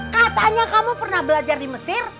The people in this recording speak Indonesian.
katanya kamu pernah belajar di mesir